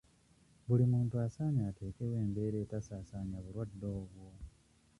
Buli muntu asaanye ateekewo embeera etasaasaanya bulwadde obwo.